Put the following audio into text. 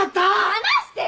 離してよ！